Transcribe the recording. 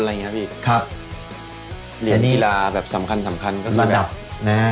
เลียนนี่ธีระแบบสำคัญก็คือ